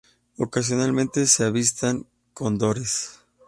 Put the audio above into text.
Ocasionalmente se avistan cóndores.